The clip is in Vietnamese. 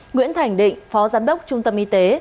nguyễn thành định phó giám đốc trung tâm y tế